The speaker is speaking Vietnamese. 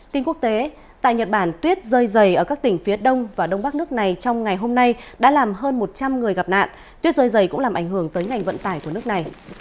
tin quốc tế tại nhật bản tuyết rơi dày ở các tỉnh phía đông và đông bắc nước này trong ngày hôm nay đã làm hơn một trăm linh người gặp nạn tuyết rơi dày cũng làm ảnh hưởng tới ngành vận tải của nước này